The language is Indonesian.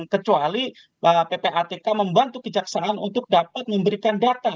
kecuali ppatk membantu kejaksaan untuk dapat memberikan data